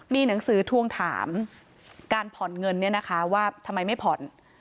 มีหนังสือทวงถามการผ่อนเงินเนี่ยนะคะว่าทำไมไม่ผ่อน